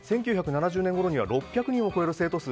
１９７０年ごろには６００人を超える生徒数。